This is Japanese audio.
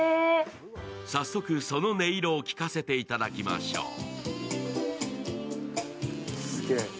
早速、その音色を聴かせていただきましょう。